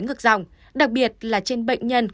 ngược dòng đặc biệt là trên bệnh nhân